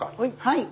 はい。